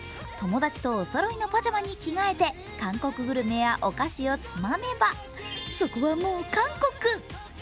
友達とおそろいのパジャマに着替えて韓国グルメやお菓子をつまめばそこはもう、韓国。